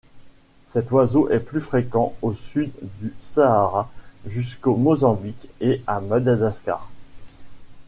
Cet oiseau est plus fréquent au sud du Sahara jusqu'au Mozambique et à Madagascar.